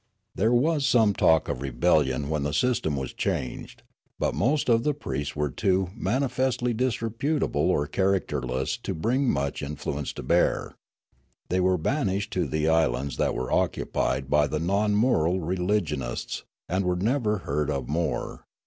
There was some talk of rebellion when the system was changed ; but most of the priests were too mani festly disreputable or characterless to bring much in fluence to bear. They were banished to the islands that were occupied by the non moral religionists, and were never heard of more.